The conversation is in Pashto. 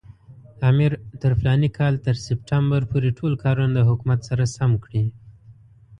امیر تر فلاني کال تر سپټمبر پورې ټول کارونه د حکومت سره سم کړي.